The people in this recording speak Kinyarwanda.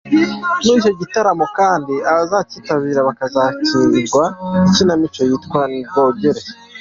Muri icyo gitaramo kandi, abazacyitabira bakazakinirwa ikinamico yitwa : “Nirwogere.